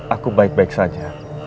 aku baik baik saja